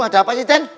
ada apa sih den